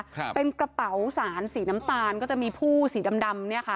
ครับเป็นกระเป๋าสารสีน้ำตาลก็จะมีผู้สีดำดำเนี้ยค่ะ